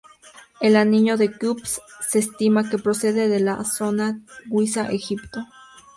El Anillo de Keops se estima que procede de la zona de Guiza, Egipto.